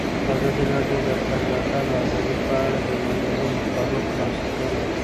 ازادي راډیو د د تګ راتګ ازادي په اړه د مجلو مقالو خلاصه کړې.